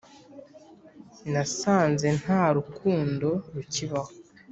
nasanze nta rukundo rukibaho